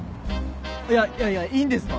いやいやいやいいんですか？